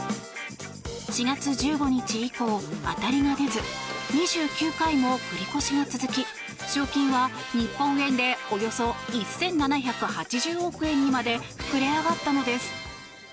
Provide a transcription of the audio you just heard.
４月１５日以降当たりが出ず２９回も繰り越しが続き賞金は日本円でおよそ１７８０億円にまで膨れ上がったのです。